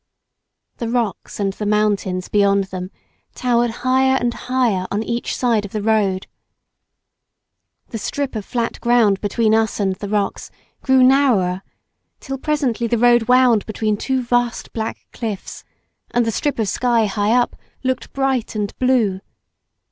The rocks and the mountains beyond them towered higher and higher on each side of the road. The strip of flat ground between us and the rocks grew narrower, till presently the road wound between two vast black cliffs, and the strip of sky high up looked bright and blue.